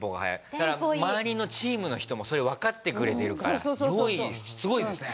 だから周りのチームの人もそれをわかってくれてるから用意すごいですね。